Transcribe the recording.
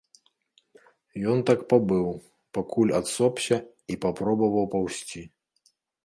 Ён так пабыў, пакуль адсопся і папробаваў паўзці.